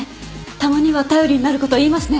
たまには頼りになること言いますね。